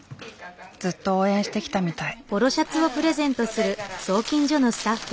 ずっと応援してきたみたい。